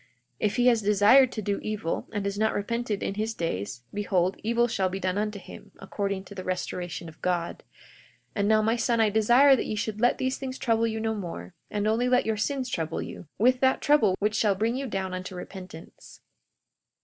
42:28 If he has desired to do evil, and has not repented in his days, behold, evil shall be done unto him, according to the restoration of God. 42:29 And now, my son, I desire that ye should let these things trouble you no more, and only let your sins trouble you, with that trouble which shall bring you down unto repentance.